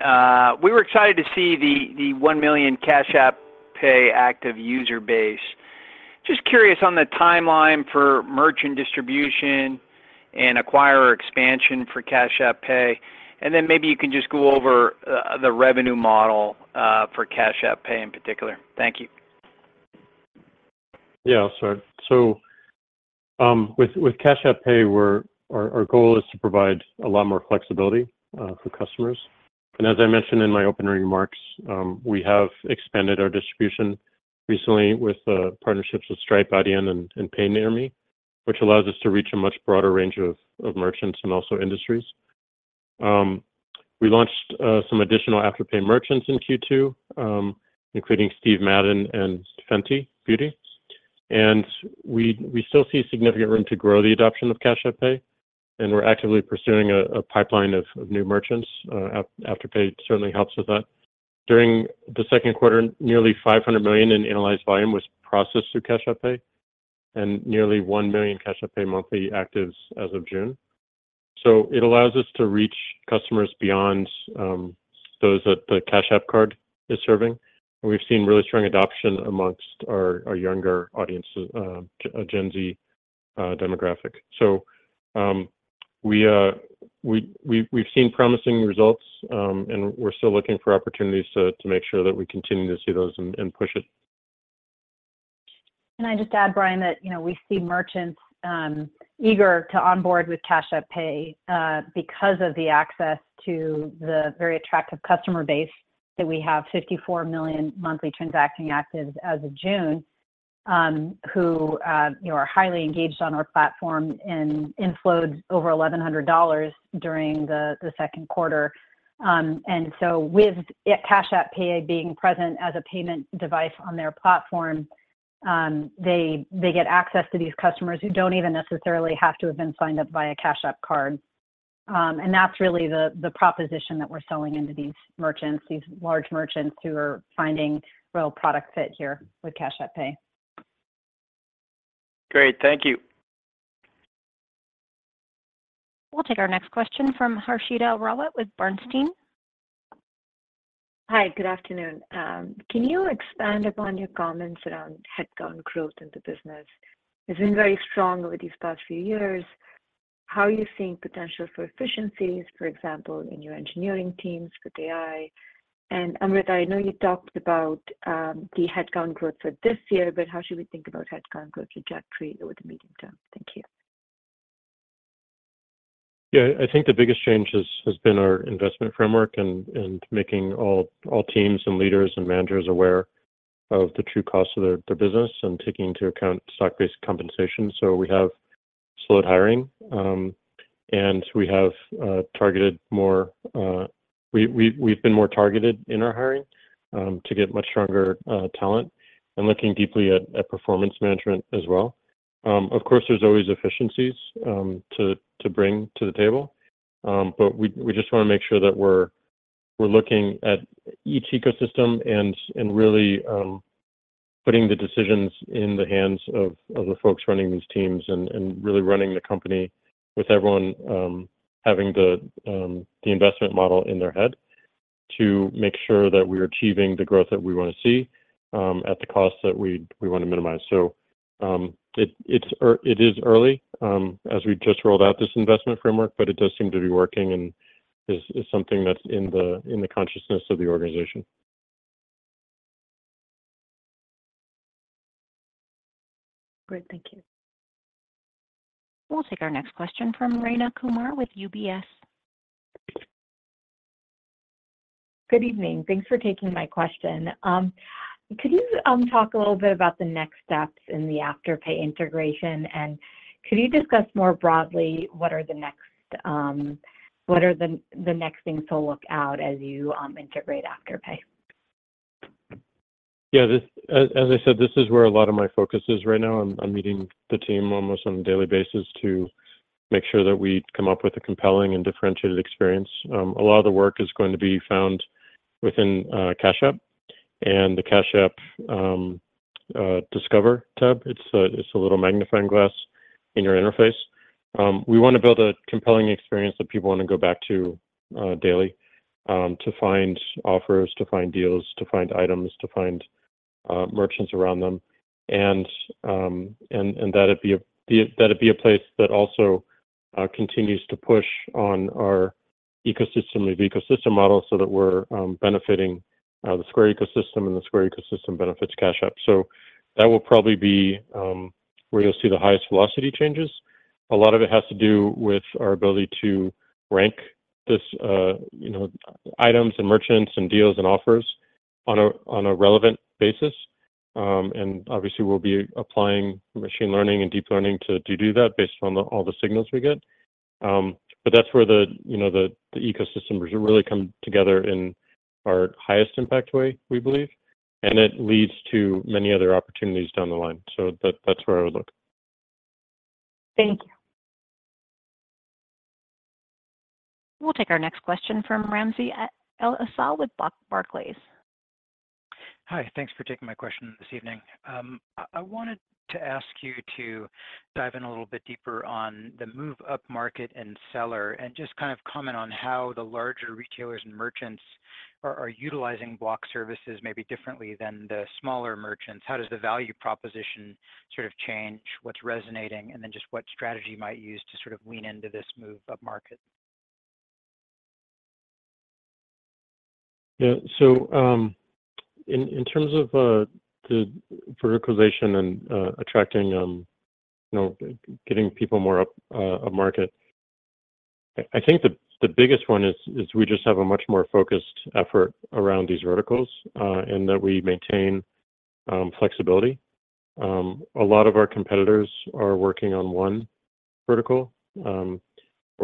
We were excited to see the 1 million Cash App Pay active user base. Just curious on the timeline for merchant distribution and acquirer expansion for Cash App Pay. Maybe you can just go over the revenue model for Cash App Pay in particular. Thank you. Yeah, I'll start. With Cash App Pay, we're our goal is to provide a lot more flexibility for customers. As I mentioned in my opening remarks, we have expanded our distribution recently with partnerships with Stripe, Adyen, and PayNearMe, which allows us to reach a much broader range of merchants and also industries. We launched some additional Afterpay merchants in Q2, including Steve Madden and Fenty Beauty. We still see significant room to grow the adoption of Cash App Pay, and we're actively pursuing a pipeline of new merchants. Afterpay certainly helps with that. During the Q2, nearly $500 million in annualized volume was processed through Cash App Pay, and nearly 1 million Cash App Pay monthly actives as of June. It allows us to reach customers beyond those that the Cash App Card is serving. We've seen really strong adoption amongst our, our younger audience, Gen Z demographic. We've seen promising results, and we're still looking for opportunities to, to make sure that we continue to see those and, and push it. Can I just add, Bryan, that, you know, we see merchants eager to onboard with Cash App Pay because of the access to the very attractive customer base, that we have 54 million monthly transacting actives as of June, who, you know, are highly engaged on our platform and in flowed over $1,100 during the Q2. And so with Cash App Pay being present as a payment device on their platform, they get access to these customers who don't even necessarily have to have been signed up via Cash App Card. And that's really the, the proposition that we're selling into these merchants, these large merchants who are finding real product fit here with Cash App Pay. Great, thank you. We'll take our next question from Harshita Rawat with Bernstein. Hi, good afternoon. Can you expand upon your comments around headcount growth in the business? It's been very strong over these past few years. How are you seeing potential for efficiencies, for example, in your engineering teams with AI? Amrit, I know you talked about the headcount growth for this year, but how should we think about headcount growth trajectory over the medium term? Thank you. Yeah, I think the biggest change has, has been our investment framework and, and making all, all teams and leaders and managers aware of the true cost of their, their business and taking into account stock-based compensation. So we have slowed hiring, and we have targeted more, we've been more targeted in our hiring, to get much stronger talent and looking deeply at, at performance management as well. Of course, there's always efficiencies to, to bring to the table. We, we just wanna make sure that we're, we're looking at each ecosystem and, and really, putting the decisions in the hands of, of the folks running these teams and, and really running the company with everyone, having the investment model in their head to make sure that we are achieving the growth that we wanna see, at the cost that we, we wanna minimize. It, it is early, as we just rolled out this investment framework, but it does seem to be working and is, is something that's in the, in the consciousness of the organization. Great, thank you. We'll take our next question from Rayna Kumar with UBS. Good evening. Thanks for taking my question. Could you talk a little bit about the next steps in the Afterpay integration, and could you discuss more broadly what are the next, what are the, the next things to look out as you integrate Afterpay? Yeah, this as I said, this is where a lot of my focus is right now. I'm, I'm meeting the team almost on a daily basis to make sure that we come up with a compelling and differentiated experience. A lot of the work is going to be found within Cash App and the Cash App Discover tab. It's a, it's a little magnifying glass in your interface. We wanna build a compelling experience that people wanna go back to daily, to find offers, to find deals, to find items, to find merchants around them. That it'd be a place that also continues to push on our ecosystem, the ecosystem model, so that we're benefiting the Square ecosystem, and the Square ecosystem benefits Cash App. That will probably be where you'll see the highest velocity changes. A lot of it has to do with our ability to rank this, you know, items and merchants and deals and offers on a, on a relevant basis. Obviously, we'll be applying machine learning and deep learning to, to do that based on the, all the signals we get. That's where the, you know, the, the ecosystem really come together in our highest impact way, we believe, and it leads to many other opportunities down the line. That- that's where I would look. Thank you. We'll take our next question from Ramsey El-Assal with Barclays. Hi, thanks for taking my question this evening. I wanted to ask you to dive in a little bit deeper on the move upmarket and Seller, just kind of comment on how the larger retailers and merchants are utilizing Block services maybe differently than the smaller merchants. How does the value proposition sort of change? What's resonating? Then just what strategy you might use to sort of lean into this move upmarket. Yeah. In terms of the verticalization and attracting, you know, getting people more up, upmarket, I think the biggest one is, is we just have a much more focused effort around these verticals, and that we maintain flexibility. A lot of our competitors are working on one vertical. We're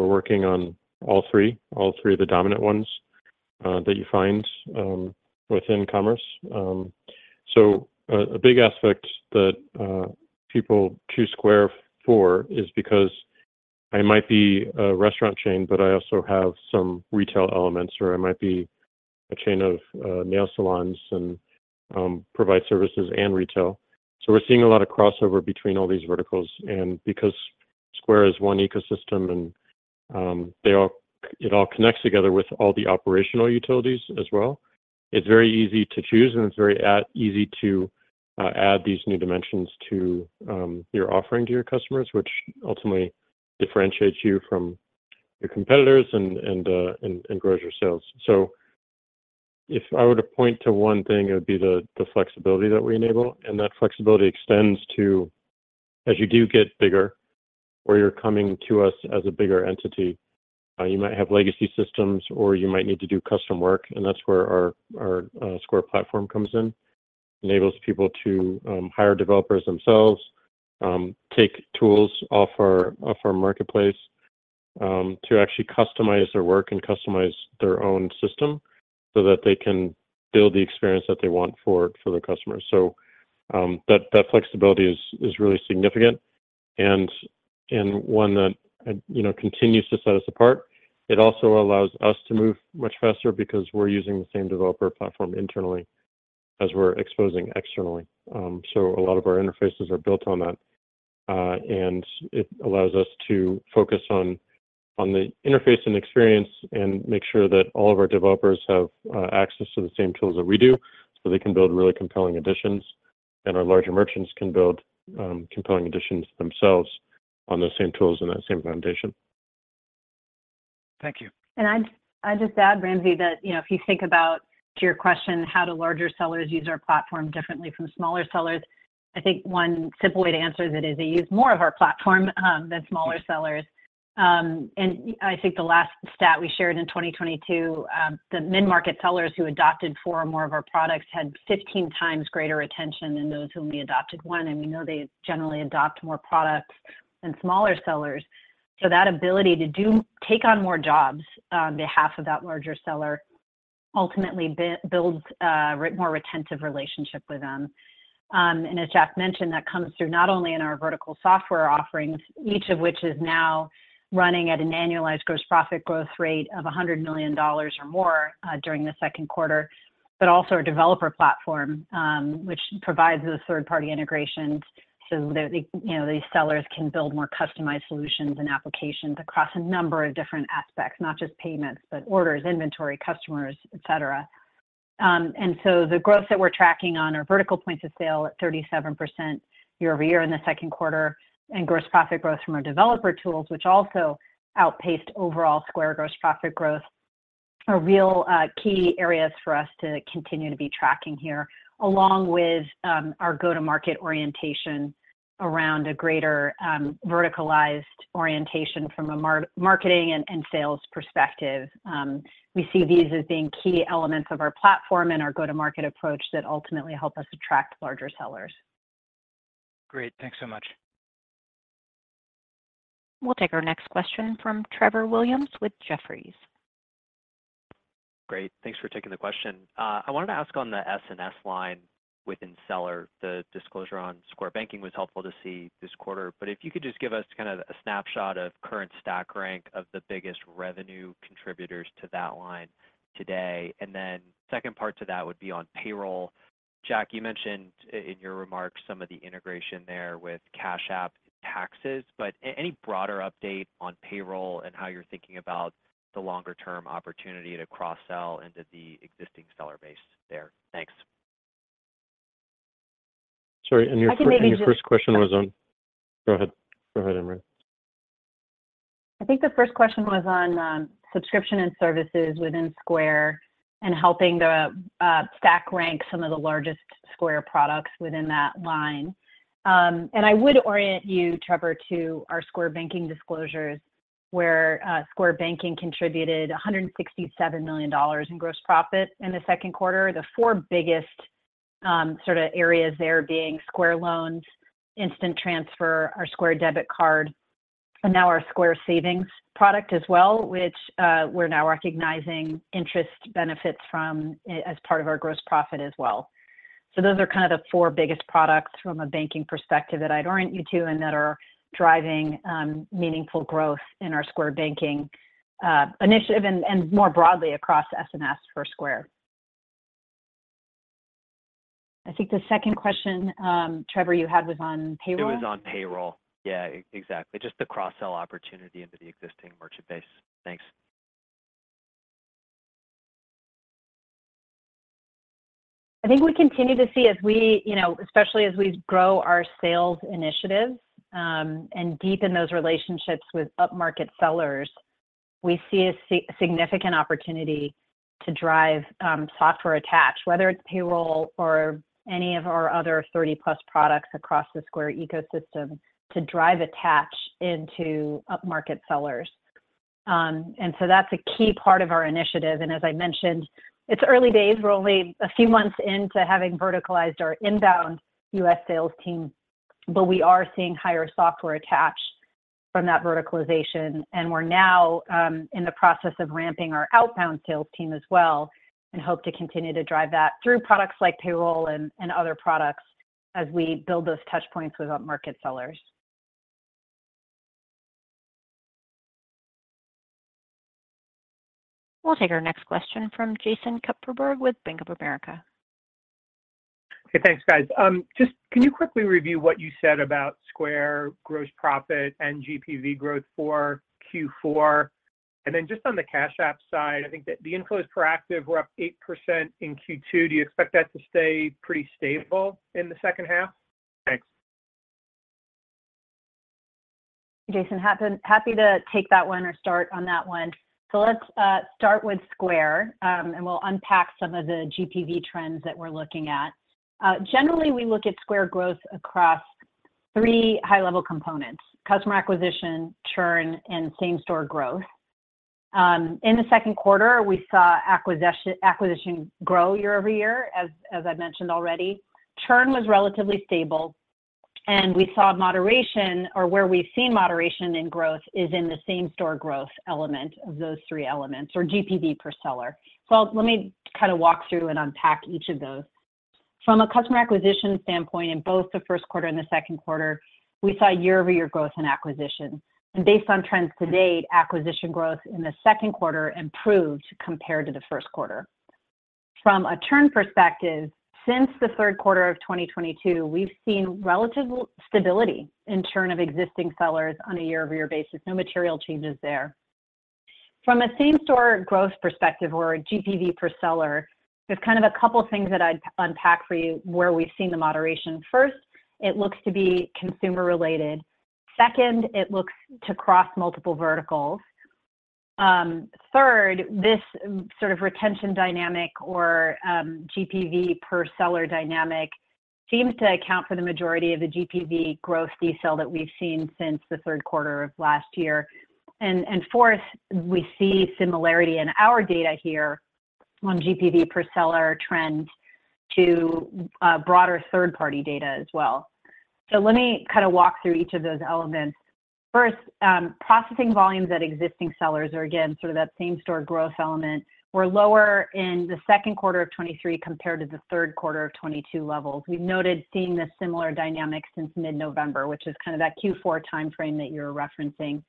working on all three, all three of the dominant ones that you find within commerce. So a big aspect that people choose Square for is because I might be a restaurant chain, but I also have some retail elements, or I might be a chain of nail salons and provide services and retail. We're seeing a lot of crossover between all these verticals, and because Square is one ecosystem and it all connects together with all the operational utilities as well, it's very easy to choose, and it's very easy to add these new dimensions to your offering to your customers, which ultimately differentiates you from your competitors and grows your sales. If I were to point to one thing, it would be the flexibility that we enable, and that flexibility extends to, as you do get bigger or you're coming to us as a bigger entity, you might have legacy systems, or you might need to do custom work, and that's where our Square platform comes in. Enables people to hire developers themselves, take tools off our, off our marketplace, to actually customize their work and customize their own system so that they can build the experience that they want for, for their customers. That, that flexibility is, is really significant and, and one that, you know, continues to set us apart. It also allows us to move much faster because we're using the same developer platform internally as we're exposing externally. A lot of our interfaces are built on that, and it allows us to focus on, on the interface and experience and make sure that all of our developers have access to the same tools that we do, so they can build really compelling additions, and our larger merchants can build compelling additions themselves on the same tools and that same foundation. Thank you. I'd, I'd just add, Ramsey, that, you know, if you think about, to your question, how do larger sellers use our platform differently from smaller sellers? I think one simple way to answer it is they use more of our platform than smaller sellers. I think the last stat we shared in 2022, the mid-market sellers who adopted four or more of our products had 15 times greater retention than those whom we adopted one, and we know they generally adopt more products than smaller sellers. That ability to do take on more jobs on behalf of that larger seller ultimately builds a more retentive relationship with them. As Jack mentioned, that comes through not only in our vertical software offerings, each of which is now running at an annualized gross profit growth rate of $100 million or more, during the Q2, but also our developer platform, which provides those third-party integrations. So the, you know, these sellers can build more customized solutions and applications across a number of different aspects, not just payments, but orders, inventory, customers, et cetera. The growth that we're tracking on our vertical points of sale at 37% year-over-year in the 2Q, and gross profit growth from our developer tools, which also outpaced overall Square gross profit growth, are real key areas for us to continue to be tracking here, along with our go-to-market orientation around a greater verticalized orientation from a marketing and sales perspective. We see these as being key elements of our platform and our go-to-market approach that ultimately help us attract larger sellers. Great, thanks so much. We'll take our next question from Trevor Williams with Jefferies. Great, thanks for taking the question. I wanted to ask on the S&S line within Seller, the disclosure on Square Banking was helpful to see this quarter. If you could just give us kind of a snapshot of current stack rank of the biggest revenue contributors to that line today. Then second part to that would be on payroll. Jack, you mentioned in your remarks some of the integration there with Cash App Taxes, but any broader update on payroll and how you're thinking about the longer-term opportunity to cross-sell into the existing seller base there? Thanks. Sorry, and your I can maybe just- Your first question was on. Go ahead, Amrit. I think the first question was on subscription and services within Square and helping the stack rank some of the largest Square products within that line. I would orient you, Trevor, to our Square Banking disclosures, where Square Banking contributed $167 million in gross profit in the Q2. The four biggest sort of areas there being Square Loans, Instant Transfer, our Square Debit Card, and now our Square Savings product as well, which we're now recognizing interest benefits from as part of our gross profit as well. Those are kind of the four biggest products from a banking perspective that I'd orient you to and that are driving meaningful growth in our Square Banking initiative and more broadly across S&S for Square. I think the second question, Trevor, you had was on payroll? It was on payroll. Yeah, exactly. Just the cross-sell opportunity into the existing merchant base. Thanks. I think we continue to see, especially as we grow our sales initiatives and deepen those relationships with upmarket sellers, we see a significant opportunity to drive software attach, whether it's Payroll or any of our other 30-plus products across the Square ecosystem, to drive attach into upmarket sellers. So that's a key part of our initiative, and as I mentioned, it's early days. We're only a few months into having verticalized our inbound U.S. sales team, but we are seeing higher software attach from that verticalization, and we're now in the process of ramping our outbound sales team as well and hope to continue to drive that through products like Payroll and other products as we build those touch points with upmarket sellers. We'll take our next question from Jason Kupferberg with Bank of America. Okay, thanks, guys. Just can you quickly review what you said about Square gross profit and GPV growth for Q4? Just on the Cash App side, I think that the inflows per active. We're up 8% in Q2. Do you expect that to stay pretty stable in the second half? Thanks. Jason, happy, happy to take that one or start on that one. Let's start with Square, and we'll unpack some of the GPV trends that we're looking at. Generally, we look at Square growth across three high-level components: customer acquisition, churn, and same-store growth. In the Q2, we saw acquisition, acquisition grow year-over-year, as, as I mentioned already. Churn was relatively stable, and we saw moderation or where we've seen moderation in growth is in the same-store growth element of those three elements or GPV per seller. Let me kind of walk through and unpack each of those. From a customer acquisition standpoint, in both the Q1 and the Q2, we saw year-over-year growth in acquisition. Based on trends to date, acquisition growth in the Q2 improved compared to the Q1. From a churn perspective, since the Q3 of 2022, we've seen relative stability in churn of existing sellers on a year-over-year basis. No material changes there. From a same-store growth perspective or a GPV per seller, there's kind of a couple things that I'd unpack for you where we've seen the moderation. First, it looks to be consumer related. Second, it looks to cross multiple verticals. Third, this sort of retention dynamic or GPV per seller dynamic seems to account for the majority of the GPV growth decel that we've seen since the Q3 of last year. And fourth, we see similarity in our data here on GPV per seller trend to broader third-party data as well. Let me kind of walk through each of those elements. First, processing volumes at existing sellers are, again, sort of that same-store growth element, were lower in the Q2 of 2023 compared to the Q3 of 2022 levels. We've noted seeing this similar dynamic since mid-November, which is kind of that Q4 timeframe that you're referencing.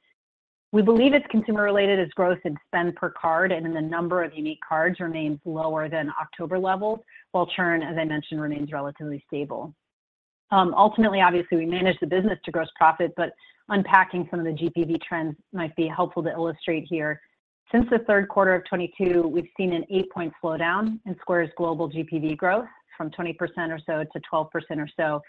We believe it's consumer related as growth in spend per card and in the number of unique cards remains lower than October levels, while churn, as I mentioned, remains relatively stable. Ultimately, obviously, we manage the business to gross profit, but unpacking some of the GPV trends might be helpful to illustrate here. Since the Q3 of 2022, we've seen an 8-point slowdown in Square's global GPV growth from 20% or so to 12% or so.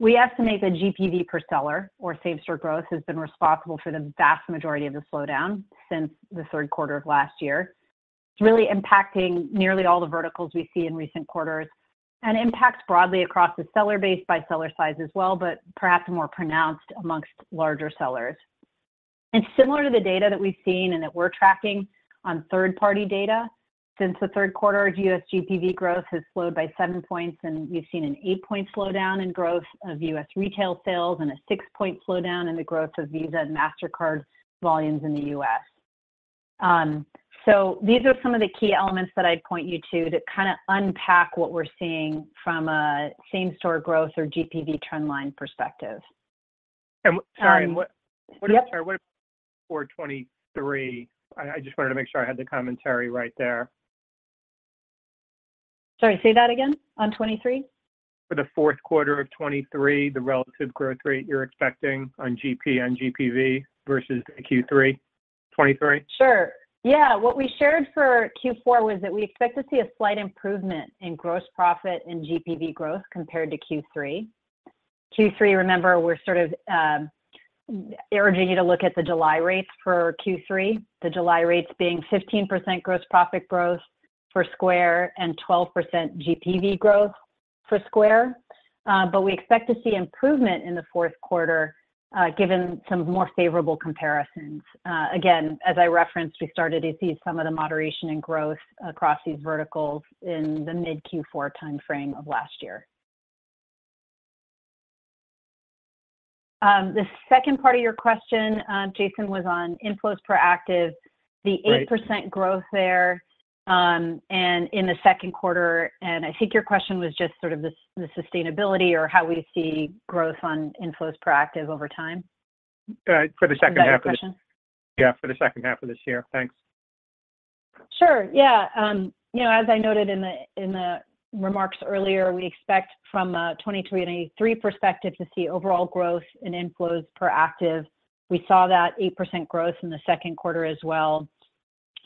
We estimate the GPV per seller or same-store growth has been responsible for the vast majority of the slowdown since the Q3 of last year. It's really impacting nearly all the verticals we see in recent quarters and impacts broadly across the seller base by seller size as well, but perhaps more pronounced amongst larger sellers. Similar to the data that we've seen and that we're tracking on third-party data, since the Q3, US GPV growth has slowed by 7 points, and we've seen an 8-point slowdown in growth of US retail sales and a 6-point slowdown in the growth of Visa and MasterCard volumes in the US. These are some of the key elements that I'd point you to, to kind of unpack what we're seeing from a same-store growth or GPV trend line perspective. Sorry, what- Yes. Sorry, what for 23? I just wanted to make sure I had the commentary right there. Sorry, say that again, on 23? For the Q4 of 2023, the relative growth rate you're expecting on GP on GPV versus Q3 2023? Sure. what we shared for Q4 was that we expect to see a slight improvement in gross profit and GPV growth compared to Q3, remember, we're sort of, urging you to look at the July rates for Q3, the July rates being 15% gross profit growth for Square and 12% GPV growth for Square. We expect to see improvement in the Q4, given some more favorable comparisons. Again, as I referenced, we started to see some of the moderation in growth across these verticals in the mid-Q4 timeframe of last year. The second part of your question, Jason, was on inflows per active- Right. The 8% growth there, and in the Q2, and I think your question was just sort of the sustainability or how we see growth on inflows per active over time? for the second half- Was that your question? Yeah, for the second half of this year. Thanks. Sure. as I noted in the, in the remarks earlier, we expect from a 23 and a 3 perspective to see overall growth in inflows per active. We saw that 8% growth in the Q2 as well,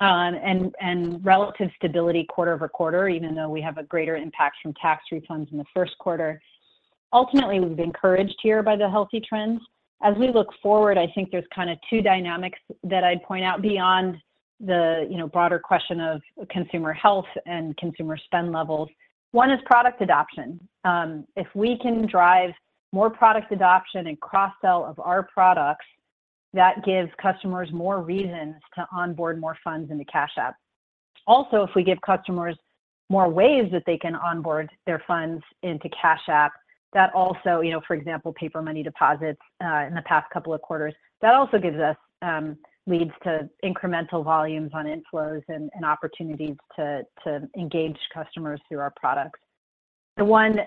and, and relative stability quarter-over-quarter, even though we have a greater impact from tax refunds in the Q1. Ultimately, we've encouraged here by the healthy trends. As we look forward, I think there's kind of two dynamics that I'd point out beyond the, you know, broader question of consumer health and consumer spend levels. One is product adoption. If we can drive more product adoption and cross-sell of our products, that gives customers more reasons to onboard more funds into Cash App. Also, if we give customers more ways that they can onboard their funds into Cash App, you know, for example, paper money deposits, in the past 2 quarters, that also gives us leads to incremental volumes on inflows and opportunities to engage customers through our products. The one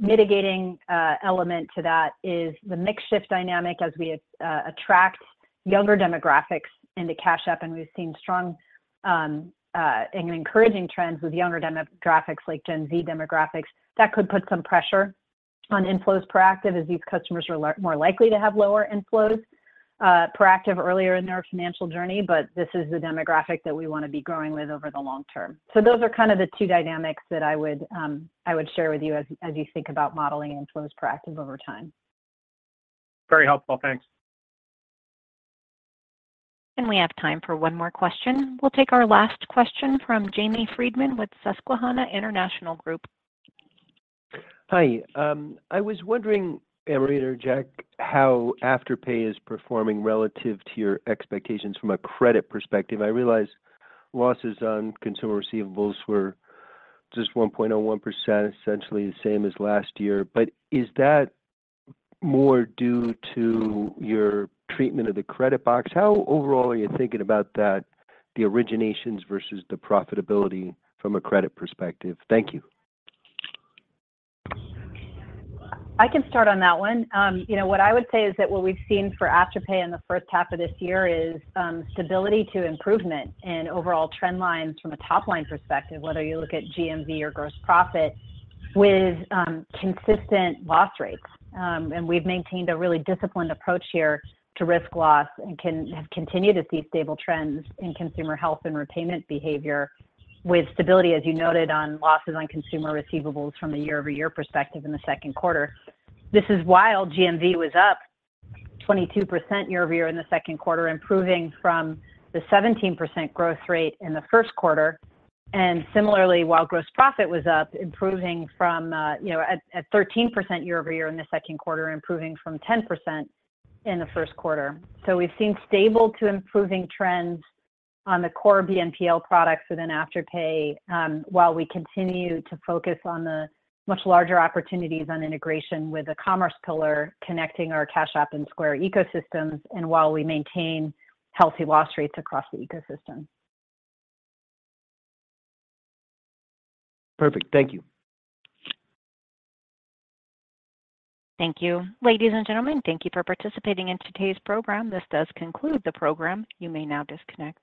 mitigating element to that is the mix shift dynamic as we attract younger demographics into Cash App, and we've seen strong and encouraging trends with younger demographics, like Gen Z demographics. That could put some pressure on inflows proactive, as these customers are more likely to have lower inflows, proactive earlier in their financial journey, but this is the demographic that we want to be growing with over the long term. Those are kind of the two dynamics that I would, I would share with you as, as you think about modeling inflows per active over time. Very helpful. Thanks. We have time for one more question. We'll take our last question from Jamie Friedman with Susquehanna International Group. Hi. I was wondering, Amrita or Jack, how Afterpay is performing relative to your expectations from a credit perspective? I realize losses on consumer receivables were just 1.01%, essentially the same as last year. Is that more due to your treatment of the credit box? How overall are you thinking about that, the originations versus the profitability from a credit perspective? Thank you. I can start on that one. you know, what I would say is that what we've seen for Afterpay in the first half of this year is, stability to improvement in overall trend lines from a top-line perspective, whether you look at GMV or gross profit, with, consistent loss rates. And we've maintained a really disciplined approach here to risk loss and have continued to see stable trends in consumer health and repayment behavior, with stability, as you noted, on losses on consumer receivables from a year-over-year perspective in the Q2. This is while GMV was up 22% year-over-year in the Q2, improving from the 17% growth rate in the Q1, and similarly, while gross profit was up, improving from, you know, at 13% year-over-year in the Q2, improving from 10% in the Q1. We've seen stable to improving trends on the core BNPL products within Afterpay, while we continue to focus on the much larger opportunities on integration with the commerce pillar, connecting our Cash App and Square ecosystems, and while we maintain healthy loss rates across the ecosystem. Perfect. Thank you. Thank you. Ladies and gentlemen, thank you for participating in today's program. This does conclude the program. You may now disconnect.